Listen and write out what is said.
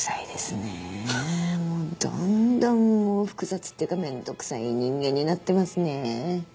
もうどんどん複雑っていうかめんどくさい人間になってますね。